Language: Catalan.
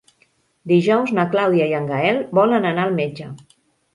Dijous na Clàudia i en Gaël volen anar al metge.